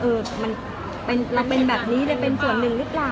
เราเป็นแบบนี้เป็นส่วนหนึ่งหรือเปล่า